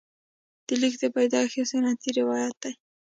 د لیک د پیدایښت یو سنتي روایت دی.